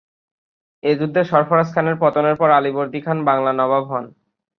এ-যুদ্ধে সরফরাজ খানের পতনের পর আলীবর্দী খান বাংলার নবাব হন।